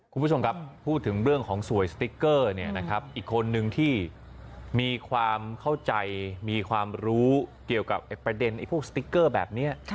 คุณผู้ชมครับพูดถึงเรื่องของสวยสติ๊กเกอร์อีกคนนึงที่มีความเข้าใจมีความรู้เกี่ยวกับประเด็นพวกสติ๊กเกอร์แบบนี้